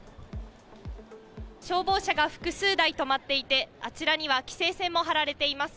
消防車が複数台止まっていて、あちらには規制線も張られています。